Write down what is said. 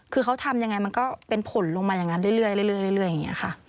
คือเขาทำยังไงมันก็เป็นผลลงมาอย่างนั้นเรื่อยอย่างนี้ค่ะ